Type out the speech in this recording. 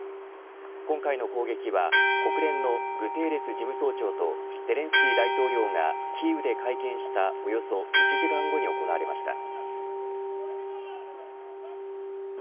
今回の攻撃は国連のグテーレス事務総長とゼレンスキー大統領がキーウで会見したおよそ１時間後に行われました。